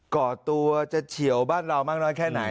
ก่อตัวจะเฉียวบ้านเรามากน้อยแค่ไหน